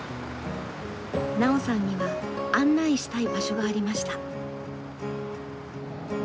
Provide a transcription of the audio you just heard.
奈緒さんには案内したい場所がありました。